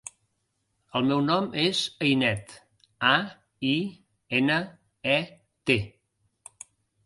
El meu nom és Ainet: a, i, ena, e, te.